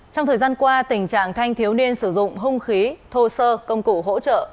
trong thời gian qua tình trạng thanh thiếu niên sử dụng hung khí thô sơ công cụ hỗ trợ